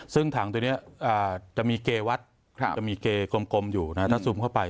ซึ่งถังตัวนี้จะมีเกวัดจะมีเกกลมอยู่นะถ้าซูมเข้าไป